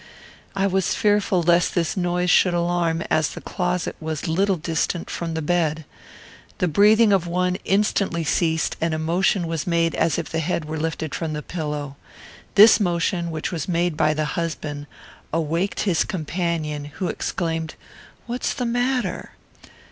I was fearful lest this noise should alarm, as the closet was little distant from the bed. The breathing of one instantly ceased, and a motion was made as if the head were lifted from the pillow. This motion, which was made by the husband, awaked his companion, who exclaimed, "What is the matter?"